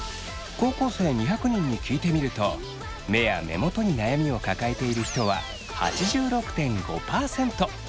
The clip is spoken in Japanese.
高校生２００人に聞いてみると目や目元に悩みを抱えている人は８６．５％。